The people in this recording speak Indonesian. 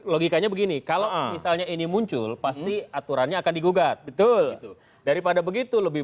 logikanya begini kalau misalnya ini muncul pasti aturannya akan digugat betul daripada begitu lebih